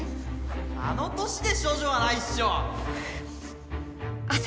あの年で処女はないっしょ。